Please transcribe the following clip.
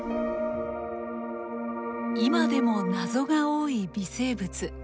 今でも謎が多い微生物。